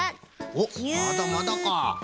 おっまだまだか。